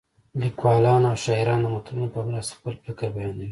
لیکوالان او شاعران د متلونو په مرسته خپل فکر بیانوي